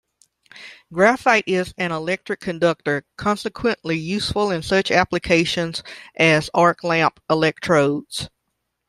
Graphite is an electric conductor, consequently, useful in such applications as arc lamp electrodes.